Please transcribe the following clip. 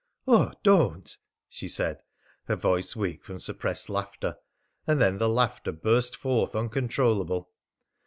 "Oh, don't!" she said, her voice weak from suppressed laughter, and then the laughter burst forth uncontrollable.